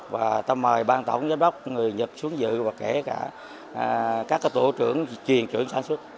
và tôi mời bang tổng giám đốc người nhật xuống dự và kể cả các tổ trưởng truyền trưởng sản xuất